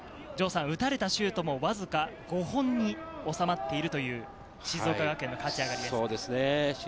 打たれたシュートもわずか５本に収まっているという静岡学園の勝ち上がりです。